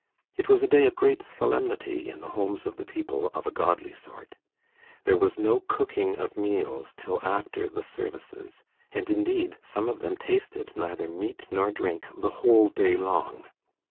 It was a day of great solemnity in the homes of the people of a godly sort. There was no cooking of meals till after "the services," and indeed, some of them tasted neither meat nor drink the whole day long.